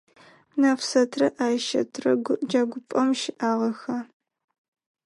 Нэфсэтрэ Айщэтрэ джэгупӏэм щыӏагъэха?